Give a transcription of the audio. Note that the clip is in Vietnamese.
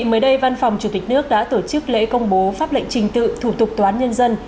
ngày đây văn phòng chủ tịch nước đã tổ chức lễ công bố pháp lệnh trình tự thủ tục toán nhân dân